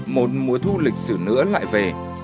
một mùa thu lịch sử nữa lại về